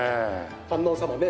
観音様ね。